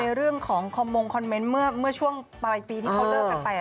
เรื่องของคอมมงคอมเมนต์เมื่อช่วงปลายปีที่เขาเลิกกันไป